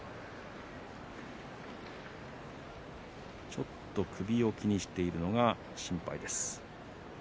ちょっと首を気にしているのが心配です。